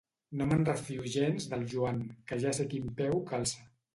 No me'n refio gens del Joan, que ja sé quin peu calça.